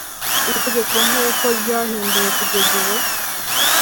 Itegeko nk’uko ryahinduwe kugeza ubu